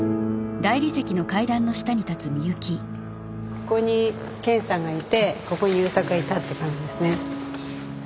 ここに健さんがいてここに優作がいたって感じですね。